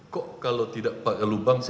kok kalau tidak pak galumbang pak resi